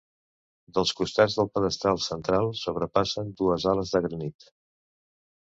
Dels costats del pedestal central sobrepassen dues ales de granit.